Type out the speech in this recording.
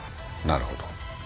なるほど。